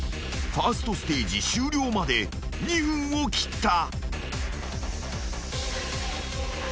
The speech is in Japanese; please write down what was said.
［ファーストステージ終了まで２分を切った］